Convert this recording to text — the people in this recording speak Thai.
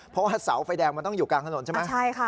เพราะว่าเสาไฟแดงมันต้องอยู่กลางถนนใช่ไหมใช่ค่ะ